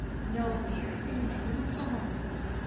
'No, dear, it's getting late; we must go home.'